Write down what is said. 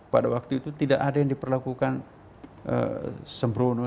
pada waktu itu tidak ada yang diperlakukan sembrono